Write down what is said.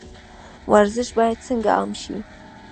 ورزش باید څنګه عام شي؟